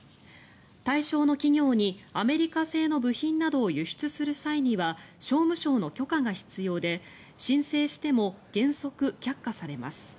対象の企業にアメリカ製の部品などを輸出する際には商務省の許可が必要で申請しても原則却下されます。